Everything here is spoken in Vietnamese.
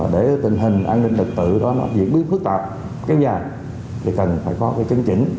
để tình hình an ninh lực tự diễn biến phức tạp kéo dài thì cần phải có chứng chỉnh